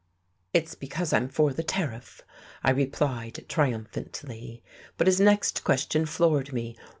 "It's because I'm for the Tariff," I replied triumphantly. But his next question floored me.